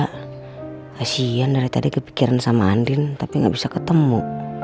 kasian dari tadi kepikiran sama andin tapi nggak bisa ketemu